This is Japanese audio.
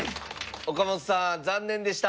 岡本さん残念でした。